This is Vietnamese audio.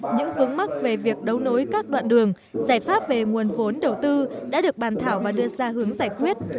những vướng mắt về việc đấu nối các đoạn đường giải pháp về nguồn vốn đầu tư đã được bàn thảo và đưa ra hướng giải quyết